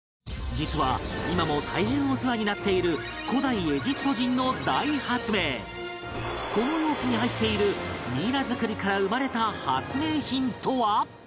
実は、今も大変お世話になっている古代エジプト人の大発明この容器に入っているミイラ作りから生まれた発明品とは？